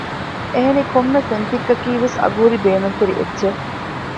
އެހެނީ ކޮންމެ ފެން ތިއްކަކީ ވެސް އަގުހުރި ބޭނުންތެރި އެއްޗެއް